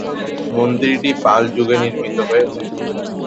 মন্দিরটি পাল যুগে নির্মিত হয়েছিল।